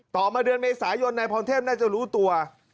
ต่อมาเดือนเมษายนนายพรเทพน่าจะรู้ตัว